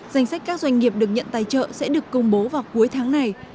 danh sách các doanh nghiệp được nhận tài trợ sẽ được công bố vào cuối tháng này